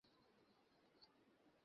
নিজেকে বিভ্রান্ত করিস না।